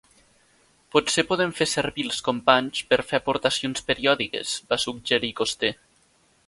"Potser podem fer servir els companys per fer aportacions periòdiques", va suggerir Coster.